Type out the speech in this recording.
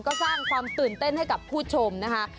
ก็สร้างความตื่นเต้นให้กับผู้ชมนะคะ